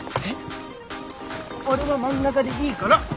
俺は真ん中でいいから。